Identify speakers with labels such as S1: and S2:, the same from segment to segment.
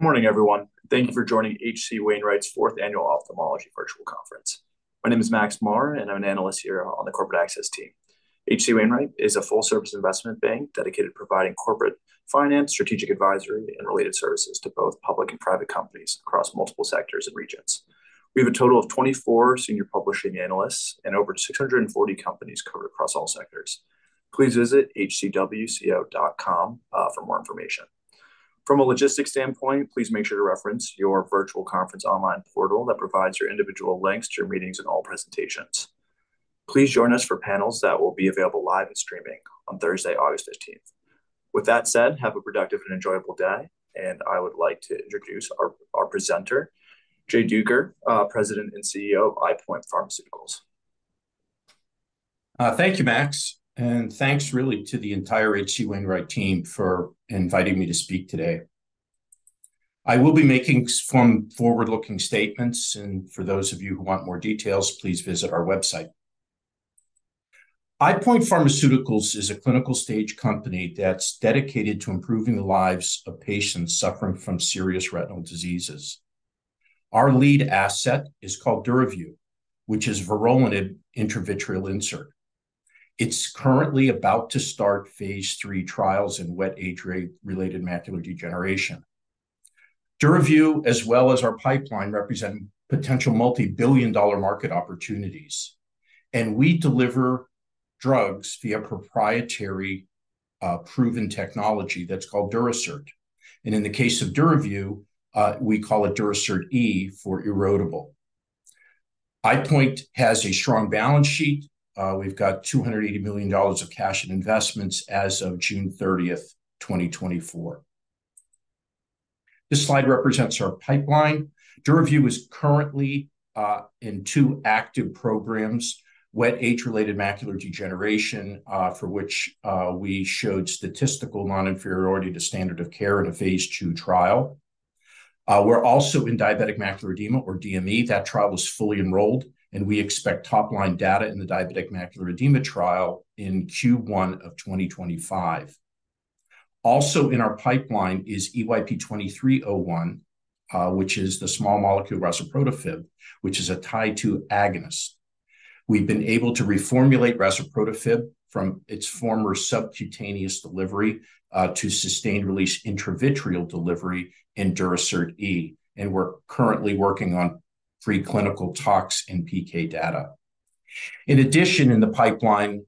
S1: Good morning, everyone. Thank you for joining H.C. Wainwright's fourth annual Ophthalmology Virtual Conference. My name is Max Maher, and I'm an analyst here on the corporate access team. H.C. Wainwright is a full-service investment bank dedicated to providing corporate finance, strategic advisory, and related services to both public and private companies across multiple sectors and regions. We have a total of 24 senior publishing analysts and over 640 companies covered across all sectors. Please visit hcwco.com for more information. From a logistics standpoint, please make sure to reference your virtual conference online portal that provides your individual links to your meetings and all presentations. Please join us for panels that will be available live in streaming on Thursday, August fifteenth. With that said, have a productive and enjoyable day, and I would like to introduce our presenter, Jay Duker, President and CEO of EyePoint Pharmaceuticals.
S2: Thank you, Max, and thanks really to the entire H.C. Wainwright team for inviting me to speak today. I will be making some forward-looking statements, and for those of you who want more details, please visit our website. EyePoint Pharmaceuticals is a clinical stage company that's dedicated to improving the lives of patients suffering from serious retinal diseases. Our lead asset is called DURAVYU, which is vorolanib intravitreal insert. It's currently about to start phase III trials in wet age-related macular degeneration. DURAVYU, as well as our pipeline, represent potential multi-billion dollar market opportunities, and we deliver drugs via proprietary, proven technology that's called Durasert. In the case of DURAVYU, we call it Durasert E for erodible. EyePoint has a strong balance sheet. We've got $280 million of cash and investments as of June thirtieth, 2024. This slide represents our pipeline. DURAVYU is currently in two active programs: wet age-related macular degeneration, for which we showed statistical non-inferiority to standard of care in a phase II trial. We're also in diabetic macular edema or DME. That trial is fully enrolled, and we expect top-line data in the diabetic macular edema trial in Q1 of 2025. Also in our pipeline is EYP-2301, which is the small molecule razuprotafib, which is a Tie2 agonist. We've been able to reformulate razuprotafib from its former subcutaneous delivery to sustained-release intravitreal delivery in Durasert E, and we're currently working on preclinical tox and PK data. In addition, in the pipeline,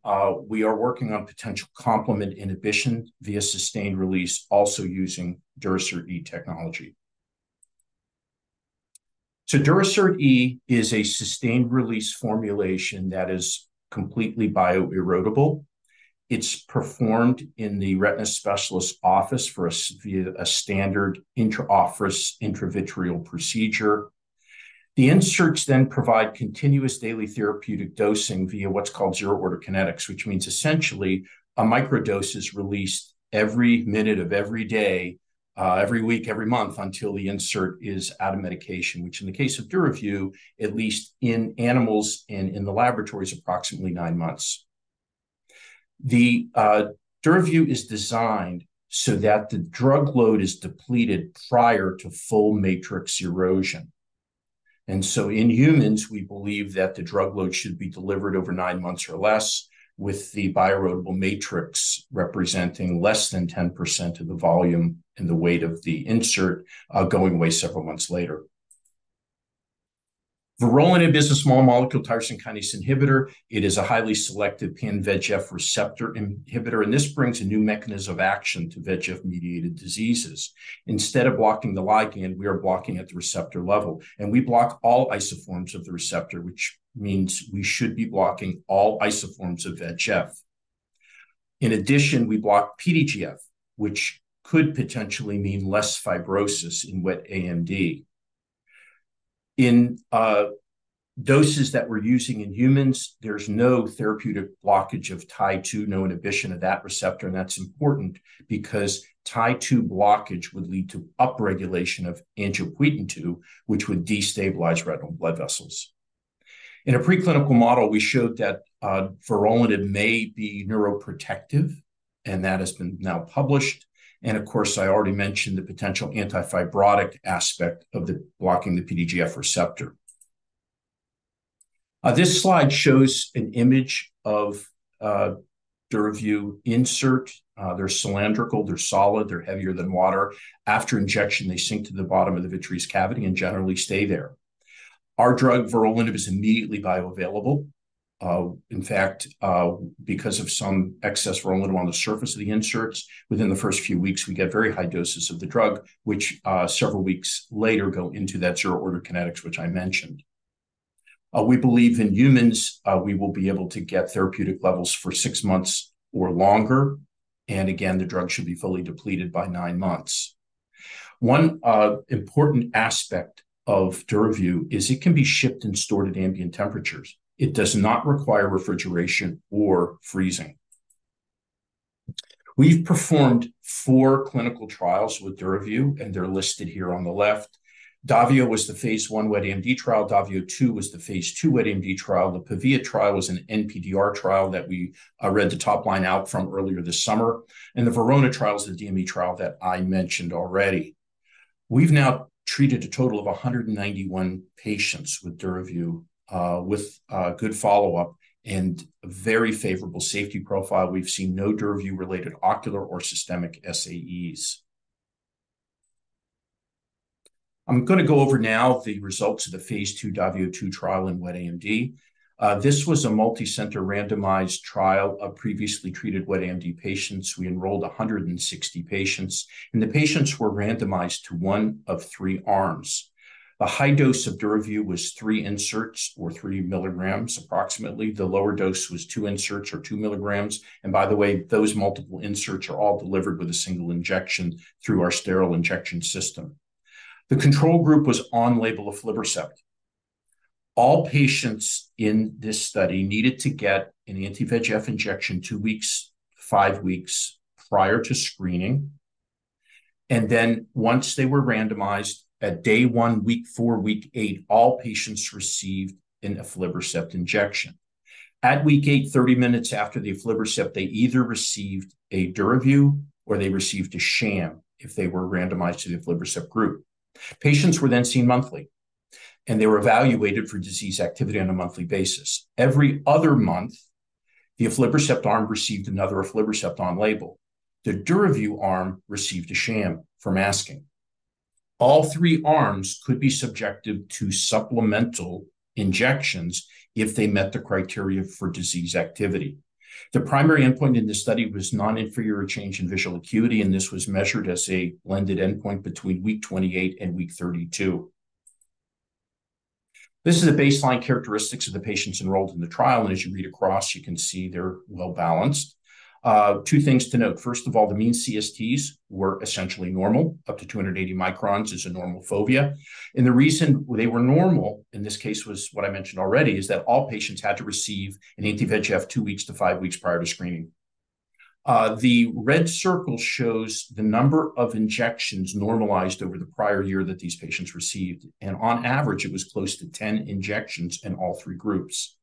S2: we are working on potential complement inhibition via sustained release, also using Durasert E technology. So Durasert E is a sustained release formulation that is completely bio-erodible. It's performed in the retina specialist's office via a standard in-office intravitreal procedure. The inserts then provide continuous daily therapeutic dosing via what's called zero-order kinetics, which means essentially a microdose is released every minute of every day, every week, every month, until the insert is out of medication, which in the case of DURAVYU, at least in animals and in the laboratory, is approximately nine months. The DURAVYU is designed so that the drug load is depleted prior to full matrix erosion. And so in humans, we believe that the drug load should be delivered over nine months or less, with the bio-erodible matrix representing less than 10% of the volume and the weight of the insert, going away several months later. Vorolanib is a small molecule tyrosine kinase inhibitor. It is a highly selective pan-VEGF receptor inhibitor, and this brings a new mechanism of action to VEGF-mediated diseases. Instead of blocking the ligand, we are blocking at the receptor level, and we block all isoforms of the receptor, which means we should be blocking all isoforms of VEGF. In addition, we block PDGF, which could potentially mean less fibrosis in wet AMD. In doses that we're using in humans, there's no therapeutic blockage of Tie2, no inhibition of that receptor, and that's important because Tie2 blockage would lead to upregulation of angiopoietin-2, which would destabilize retinal blood vessels. In a preclinical model, we showed that vorolanib may be neuroprotective, and that has been now published. And of course, I already mentioned the potential anti-fibrotic aspect of blocking the PDGF receptor. This slide shows an image of DURAVYU insert. They're cylindrical, they're solid, they're heavier than water. After injection, they sink to the bottom of the vitreous cavity and generally stay there. Our drug, vorolanib, is immediately bioavailable. In fact, because of some excess vorolanib on the surface of the inserts, within the first few weeks, we get very high doses of the drug, which, several weeks later, go into that zero-order kinetics, which I mentioned. We believe in humans, we will be able to get therapeutic levels for six months or longer, and again, the drug should be fully depleted by nine months. One important aspect of DURAVYU is it can be shipped and stored at ambient temperatures. It does not require refrigeration or freezing. We've performed four clinical trials with DURAVYU, and they're listed here on the left. DAVIO was the phase I wet AMD trial. DAVIO 2 was the Phase II wet AMD trial. The PAVIA trial was an NPDR trial that we read the top line out from earlier this summer, and the VERONA trial is the DME trial that I mentioned already. We've now treated a total of 191 patients with DURAVYU, with good follow-up and very favorable safety profile. We've seen no DURAVYU-related ocular or systemic SAEs. I'm gonna go over now the results of the Phase 2 DAVIO trial in wet AMD. This was a multicenter randomized trial of previously treated wet AMD patients. We enrolled 160 patients, and the patients were randomized to one of three arms. The high dose of DURAVYU was 3 inserts or 3 milligrams. Approximately, the lower dose was 2 inserts or 2 milligrams, and by the way, those multiple inserts are all delivered with a single injection through our sterile injection system. The control group was on-label aflibercept. All patients in this study needed to get an anti-VEGF injection 2 weeks, 5 weeks prior to screening, and then once they were randomized, at day one, week 4, week 8, all patients received an aflibercept injection. At week 8, thirty minutes after the aflibercept, they either received a DURAVYU or they received a sham if they were randomized to the aflibercept group. Patients were then seen monthly, and they were evaluated for disease activity on a monthly basis. Every other month, the aflibercept arm received another aflibercept on-label. The DURAVYU arm received a sham for masking. All three arms could be subjected to supplemental injections if they met the criteria for disease activity. The primary endpoint in this study was non-inferior change in visual acuity, and this was measured as a blended endpoint between week 28 and week 32. This is the baseline characteristics of the patients enrolled in the trial, and as you read across, you can see they're well-balanced. Two things to note: First of all, the mean CSTs were essentially normal. Up to 280 microns is a normal fovea. The reason they were normal in this case was, what I mentioned already, is that all patients had to receive an anti-VEGF 2 weeks to 5 weeks prior to screening. The red circle shows the number of injections normalized over the prior year that these patients received, and on average, it was close to 10 injections in all three groups.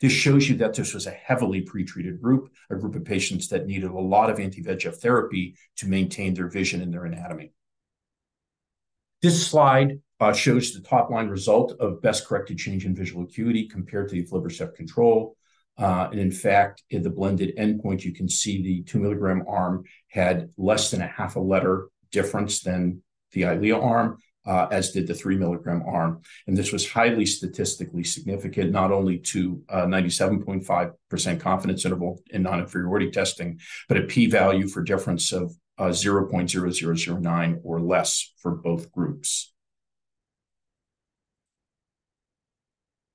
S2: This shows you that this was a heavily pre-treated group, a group of patients that needed a lot of anti-VEGF therapy to maintain their vision and their anatomy. This slide shows the top-line result of best-corrected change in visual acuity compared to the aflibercept control. And in fact, in the blended endpoint, you can see the 2-milligram arm had less than half a letter difference than the Eylea arm, as did the 3-milligram arm. And this was highly statistically significant, not only to 97.5% confidence interval in non-inferiority testing, but a p-value for difference of 0.0009 or less for both groups.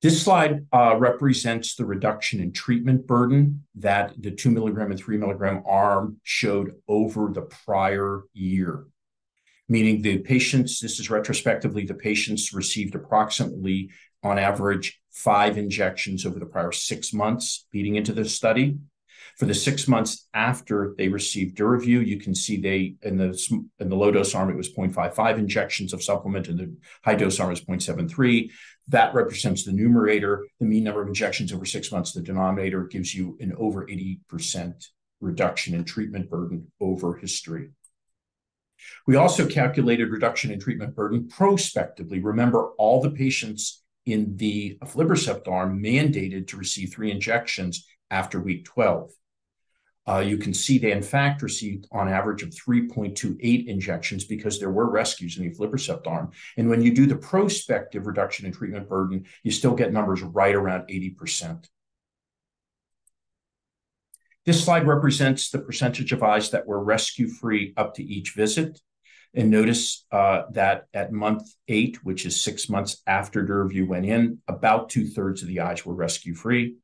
S2: This slide represents the reduction in treatment burden that the 2-milligram and 3-milligram arm showed over the prior year. Meaning the patients, this is retrospectively, the patients received approximately, on average, 5 injections over the prior 6 months leading into this study. For the 6 months after they received DURAVYU, you can see they, in the low-dose arm, it was 0.55 injections of supplement, and the high-dose arm was 0.73. That represents the numerator, the mean number of injections over 6 months. The denominator gives you an over 80% reduction in treatment burden over history. We also calculated reduction in treatment burden prospectively. Remember, all the patients in the aflibercept arm mandated to receive 3 injections after week 12. You can see they in fact received on average of 3.28 injections because there were rescues in the aflibercept arm. And when you do the prospective reduction in treatment burden, you still get numbers right around 80%. This slide represents the percentage of eyes that were rescue-free up to each visit. And notice, that at month 8, which is six months after DuraVu went in, about two-thirds of the eyes were rescue-free.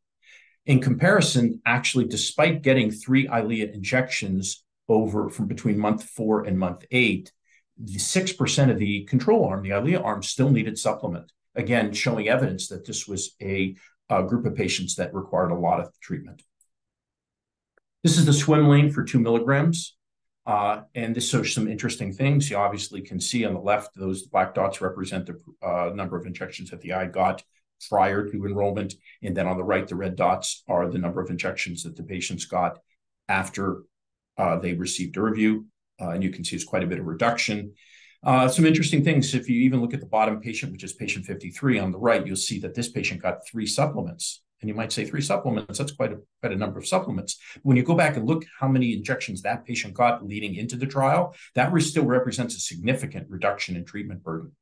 S2: In comparison, actually, despite getting 3 Eylea injections over from between month 4 and month 8, the 6% of the control arm, the Eylea arm, still needed supplement. Again, showing evidence that this was a group of patients that required a lot of treatment. This is the swim lane for 2 milligrams, and this shows some interesting things. You obviously can see on the left, those black dots represent the number of injections that the eye got prior to enrollment, and then on the right, the red dots are the number of injections that the patients got after they received DURAVYU. And you can see it's quite a bit of reduction. Some interesting things, if you even look at the bottom patient, which is patient 53 on the right, you'll see that this patient got 3 supplements. And you might say, "3 supplements, that's quite a, quite a number of supplements." When you go back and look how many injections that patient got leading into the trial, that still represents a significant reduction in treatment burden.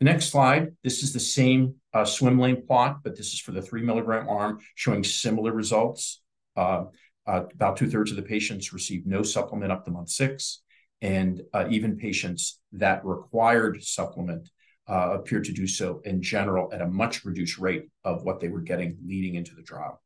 S2: The next slide, this is the same swim lane plot, but this is for the 3-milligram arm, showing similar results. About two-thirds of the patients received no supplement up to month six, and even patients that required supplement appeared to do so in general at a much reduced rate of what they were getting leading into the trial.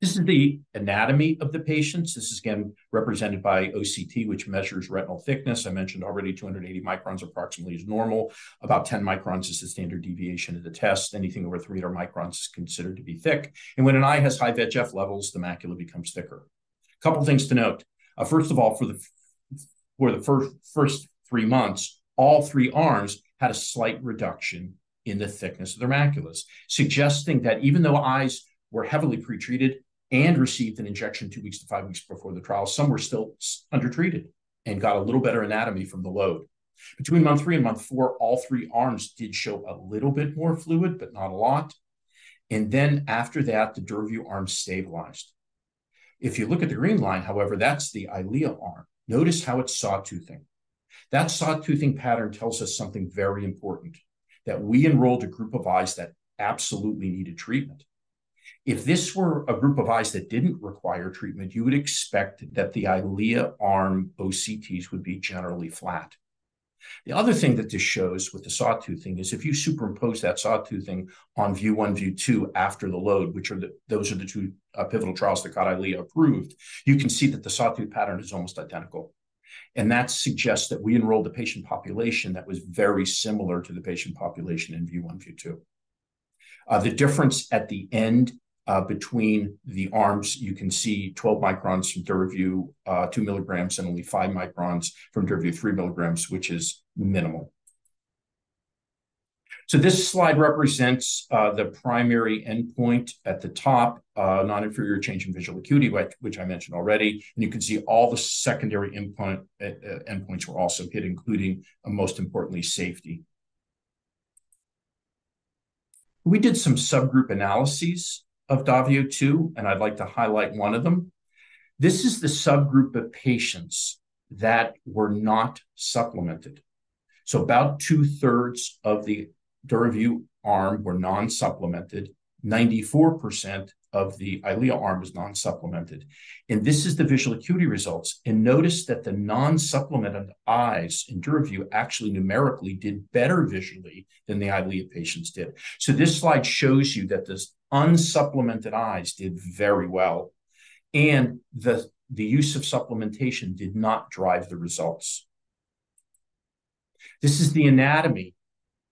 S2: This is the anatomy of the patients. This is, again, represented by OCT, which measures retinal thickness. I mentioned already 280 microns approximately is normal. About 10 microns is the standard deviation of the test. Anything over 300 microns is considered to be thick. And when an eye has high VEGF levels, the macula becomes thicker. A couple things to note. First of all, for the first 3 months, all 3 arms had a slight reduction in the thickness of their maculas, suggesting that even though eyes were heavily pre-treated and received an injection 2 weeks to 5 weeks before the trial, some were still undertreated and got a little better anatomy from the load. Between month 3 and month 4, all 3 arms did show a little bit more fluid, but not a lot, and then after that, the DURAVYU arm stabilized. If you look at the green line, however, that's the Eylea arm. Notice how it's sawtoothing. That sawtoothing pattern tells us something very important, that we enrolled a group of eyes that absolutely needed treatment. If this were a group of eyes that didn't require treatment, you would expect that the Eylea arm OCTs would be generally flat. The other thing that this shows with the sawtoothing is if you superimpose that sawtoothing on VIEW 1, VIEW 2 after the load, which are those are the two pivotal trials that got Eylea approved, you can see that the sawtooth pattern is almost identical. That suggests that we enrolled a patient population that was very similar to the patient population in VIEW 1, VIEW 2. The difference at the end between the arms, you can see 12 microns from DURAVYU 2 milligrams, and only 5 microns from DURAVYU 3 milligrams, which is minimal. This slide represents the primary endpoint at the top, non-inferior change in visual acuity, which I mentioned already, and you can see all the secondary endpoints were also hit, including, and most importantly, safety. We did some subgroup analyses of DAVIO 2, and I'd like to highlight one of them. This is the subgroup of patients that were not supplemented. So about two-thirds of the DURAVYU arm were non-supplemented. 94% of the Eylea arm is non-supplemented. And this is the visual acuity results, and notice that the non-supplemented eyes in DURAVYU actually numerically did better visually than the Eylea patients did. So this slide shows you that this unsupplemented eyes did very well, and the use of supplementation did not drive the results. This is the anatomy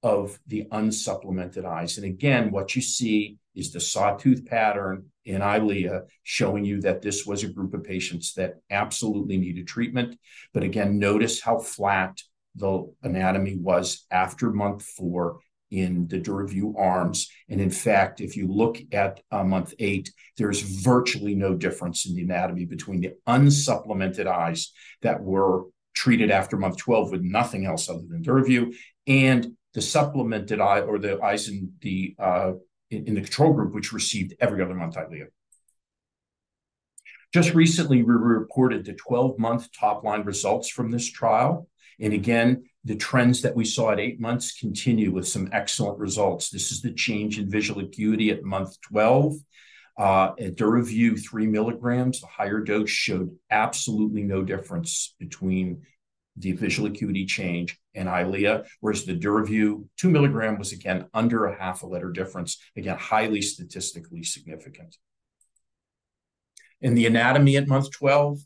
S2: of the unsupplemented eyes. And again, what you see is the sawtooth pattern in Eylea, showing you that this was a group of patients that absolutely needed treatment. But again, notice how flat the anatomy was after month 4 in the DURAVYU arms. In fact, if you look at month 8, there's virtually no difference in the anatomy between the unsupplemented eyes that were treated after month 12 with nothing else other than DURAVYU, and the supplemented eye or the eyes in the control group, which received every other month Eylea. Just recently, we reported the 12-month top-line results from this trial, and again, the trends that we saw at 8 months continue with some excellent results. This is the change in visual acuity at month 12. At DURAVYU 3 milligrams, the higher dose showed absolutely no difference between the visual acuity change in Eylea, whereas the DURAVYU 2 milligram was again under a half a letter difference. Again, highly statistically significant. In the anatomy at month 12,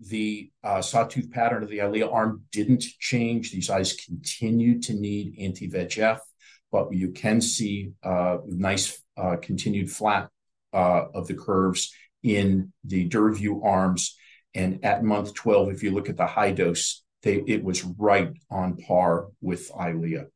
S2: the sawtooth pattern of the Eylea arm didn't change. These eyes continued to need anti-VEGF, but you can see, nice, continued flat of the curves in the DURAVYU arms. At month 12, if you look at the high dose, they... it was right on par with Eylea.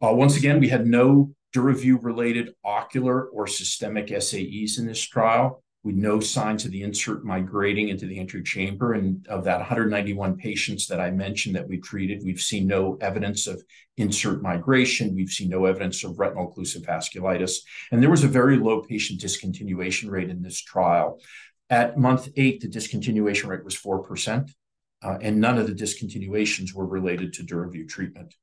S2: Once again, we had no DURAVYU-related ocular or systemic SAEs in this trial, with no signs of the insert migrating into the anterior chamber. Of that 191 patients that I mentioned that we treated, we've seen no evidence of insert migration. We've seen no evidence of retinal occlusive vasculitis, and there was a very low patient discontinuation rate in this trial. At month 8, the discontinuation rate was 4%, and none of the discontinuations were related to DURAVYU treatment.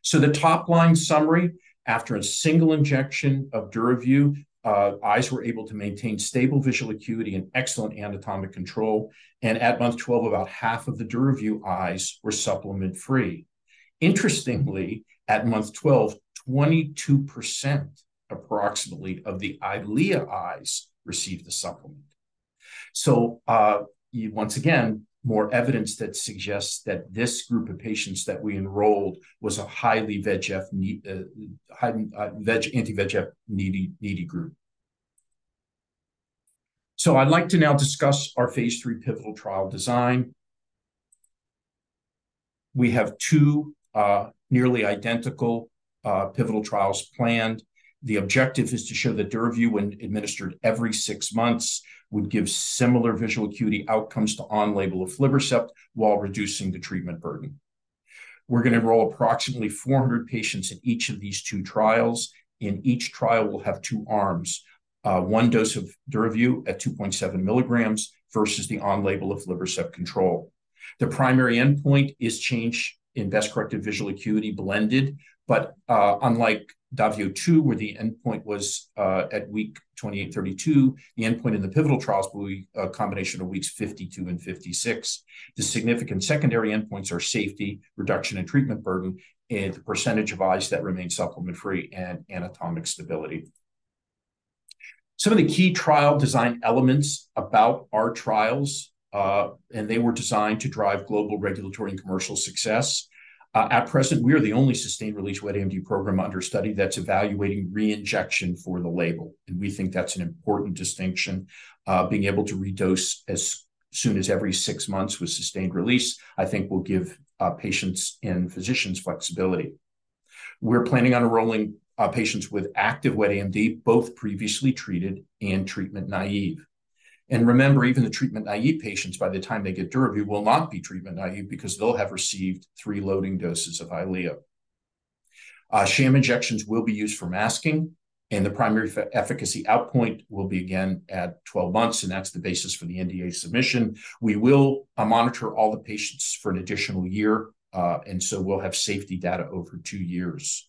S2: So the top-line summary, after a single injection of DURAVYU, eyes were able to maintain stable visual acuity and excellent anatomic control, and at month 12, about half of the DURAVYU eyes were supplement-free. Interestingly, at month 12, approximately 22% of the Eylea eyes received the supplement. So, once again, more evidence that suggests that this group of patients that we enrolled was a highly anti-VEGF needy group. So I'd like to now discuss our phase 3 pivotal trial design. We have two nearly identical pivotal trials planned. The objective is to show that DURAVYU, when administered every 6 months, would give similar visual acuity outcomes to on-label aflibercept while reducing the treatment burden. We're gonna enroll approximately 400 patients in each of these two trials. In each trial, we'll have two arms, one dose of DURAVYU at 2.7 milligrams versus the on-label aflibercept control. The primary endpoint is change in best-corrected visual acuity blended, but, unlike DAVIO 2, where the endpoint was at week 28, 32, the endpoint in the pivotal trials will be a combination of weeks 52 and 56. The significant secondary endpoints are safety, reduction in treatment burden, and the percentage of eyes that remain supplement-free and anatomic stability. Some of the key trial design elements about our trials, and they were designed to drive global regulatory and commercial success. At present, we are the only sustained release wet AMD program under study that's evaluating reinjection for the label, and we think that's an important distinction. Being able to redose as soon as every six months with sustained release, I think will give patients and physicians flexibility. We're planning on enrolling patients with active wet AMD, both previously treated and treatment naive. And remember, even the treatment-naive patients, by the time they get DURAVYU, will not be treatment naive because they'll have received three loading doses of Eylea. Sham injections will be used for masking, and the primary efficacy endpoint will be again at 12 months, and that's the basis for the NDA submission. We will monitor all the patients for an additional year, and so we'll have safety data over two years.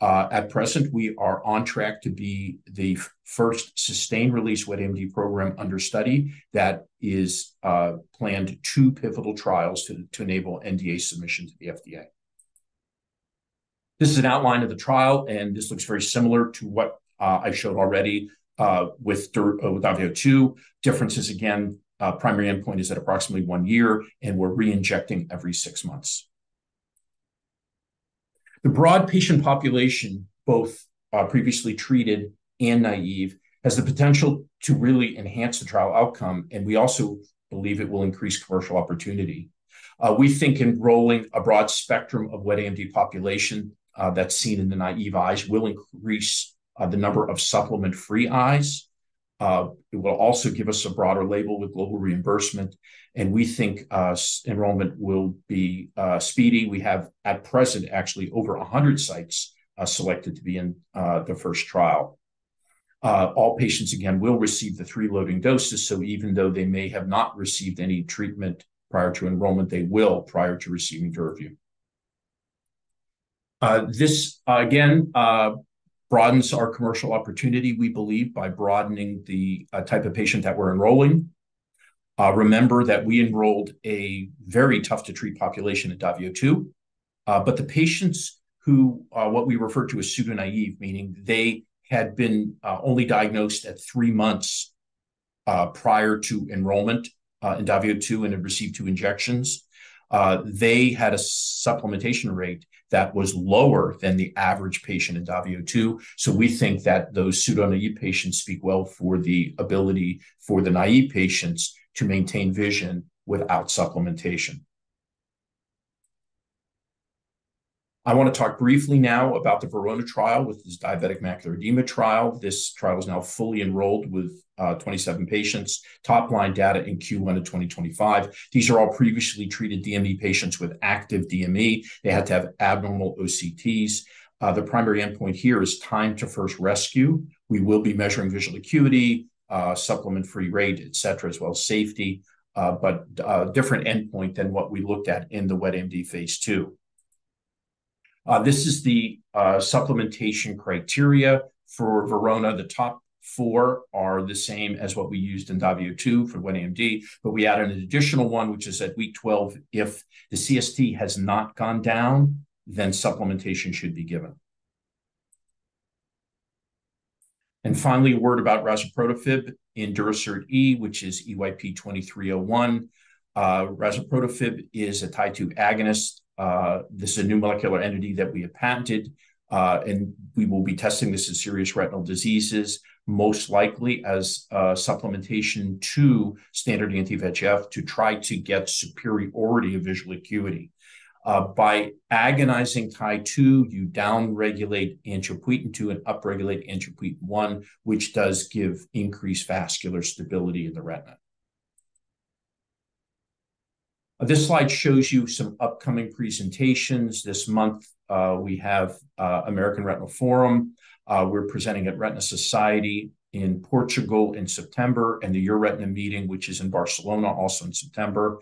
S2: At present, we are on track to be the first sustained release wet AMD program under study that is planned two pivotal trials to enable NDA submission to the FDA. This is an outline of the trial, and this looks very similar to what I've showed already with DURAVYU. Differences again, primary endpoint is at approximately one year, and we're reinjecting every six months. The broad patient population, both previously treated and naive, has the potential to really enhance the trial outcome, and we also believe it will increase commercial opportunity. We think enrolling a broad spectrum of wet AMD population that's seen in the naive eyes will increase the number of supplement-free eyes. It will also give us a broader label with global reimbursement, and we think so enrollment will be speedy. We have, at present, actually over 100 sites selected to be in the first trial. All patients, again, will receive the three loading doses, so even though they may have not received any treatment prior to enrollment, they will prior to receiving DURAVYU. This again broadens our commercial opportunity, we believe, by broadening the type of patient that we're enrolling. Remember that we enrolled a very tough-to-treat population in DAVIO 2, but the patients who what we refer to as pseudo-naive, meaning they had been only diagnosed three months prior to enrollment in DAVIO 2 and had received two injections, they had a supplementation rate that was lower than the average patient in DAVIO 2. So we think that those pseudo-naive patients speak well for the ability for the naive patients to maintain vision without supplementation. I want to talk briefly now about the VERONA trial, which is Diabetic Macular Edema trial. This trial is now fully enrolled with 27 patients, top-line data in Q1 of 2025. These are all previously treated DME patients with active DME. They had to have abnormal OCTs. The primary endpoint here is time to first rescue. We will be measuring visual acuity, supplement-free rate, et cetera, as well as safety, but different endpoint than what we looked at in the wet AMD phase II. This is the supplementation criteria for VERONA. The top four are the same as what we used in DAVIO 2 for wet AMD, but we added an additional one, which is at week 12, if the CST has not gone down, then supplementation should be given. And finally, a word about razuprotafib in Durasert E, which is EYP-2301. Razuprotafib is a Tie2 agonist. This is a new molecular entity that we have patented, and we will be testing this in serious retinal diseases, most likely as supplementation to standard anti-VEGF to try to get superiority of visual acuity. By agonizing Tie2, you downregulate Angiopoietin-2 and upregulate Angiopoietin-1, which does give increased vascular stability in the retina. This slide shows you some upcoming presentations. This month, we have American Retina Forum. We're presenting at Retina Society in Portugal in September, and the EURETINA meeting, which is in Barcelona, also in September.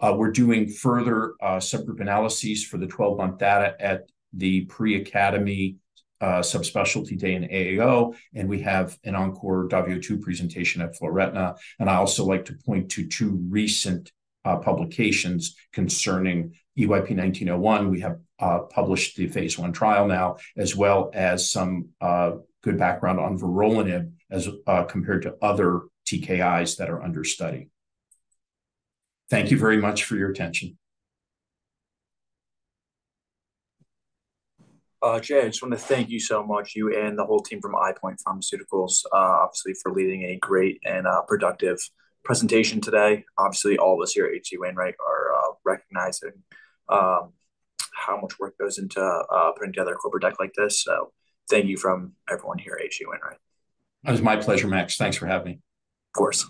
S2: We're doing further subgroup analyses for the 12-month data at the Pre-Academy Subspecialty Day in AAO, and we have an encore DAVIO 2 presentation at FLOREtina. And I'd also like to point to 2 recent publications concerning EYP-1901. We have published the phase I trial now, as well as some good background on vorolanib as compared to other TKIs that are under study. Thank you very much for your attention.
S1: Jay, I just want to thank you so much, you and the whole team from EyePoint Pharmaceuticals, obviously for leading a great and productive presentation today. Obviously, all of us here at H.C. Wainwright are recognizing how much work goes into putting together a corporate deck like this. So thank you from everyone here at H.C. Wainwright.
S2: It was my pleasure, Max. Thanks for having me.
S1: Of course.